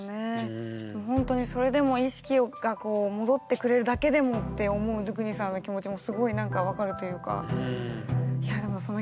ほんとにそれでも意識が戻ってくれるだけでもって思うドゥクニさんの気持ちもすごいなんか分かるというか。ってすごく思う。